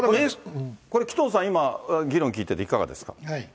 これ、紀藤さん、今、議論聞いてて、いかがですか？